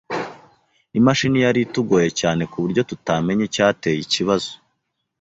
Imashini yari itugoye cyane kuburyo tutamenya icyateye ikibazo.